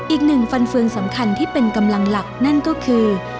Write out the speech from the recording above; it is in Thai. อีกหนึ่งฟันเฟืองสำคัญที่เป็นกำลังหลักนั่นก็คือ